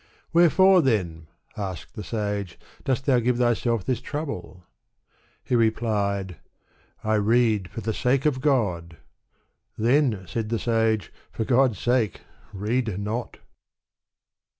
"Wherefore, then," asked the sage, "dost thou give thyself this trouble?" He replied, "I read for the sake of God." "Then," said the sage, "for God's sake ! read not."